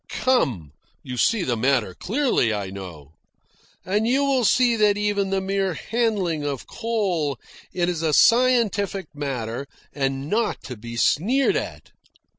Come, you see the matter clearly, I know. And you will see that even the mere handling of coal is a scientific matter and not to be sneered at.